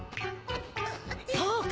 そうか！